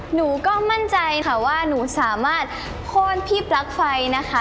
หนูก็มั่นใจค่ะว่าหนูสามารถพ่นพี่ปลั๊กไฟนะคะ